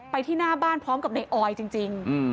ที่หน้าบ้านพร้อมกับในออยจริง